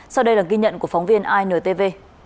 sau đây là ghi nhận của phóng viên intv